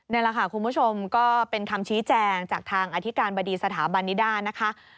นี่แหละค่ะคุณผู้ชมก็เป็นคำชี้แจงจากทางอธิการบดีสถาบันนิดานะคะ